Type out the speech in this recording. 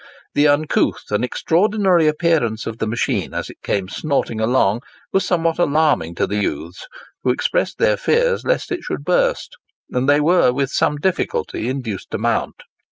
The uncouth and extraordinary appearance of the machine, as it came snorting along, was somewhat alarming to the youths, who expressed their fears lest it should burst; and they were with some difficulty induced to mount.